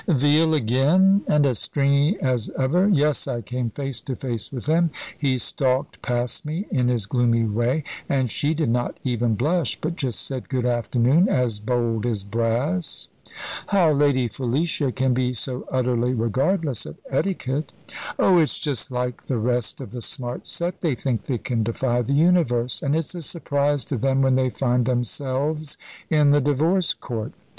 "Veal again! and as stringy as ever. Yes, I came face to face with them. He stalked past me in his gloomy way; and she did not even blush, but just said, good afternoon, as bold as brass." "How Lady Felicia can be so utterly regardless of etiquette!" "Oh, it's just like the rest of the smart set. They think they can defy the universe; and it's a surprise to them when they find themselves in the divorce court!"